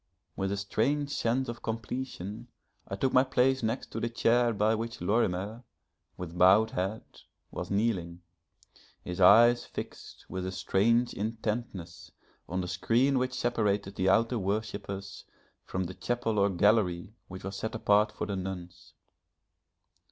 With a strange sense of completion I took my place next to the chair by which Lorimer, with bowed head, was kneeling, his eyes fixed with a strange intentness on the screen which separated the outer worshippers from the chapel or gallery which was set apart for the nuns.